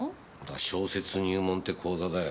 小説入門って講座だよ。